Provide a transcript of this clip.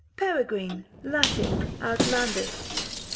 Peregrine, Latin, outlandish.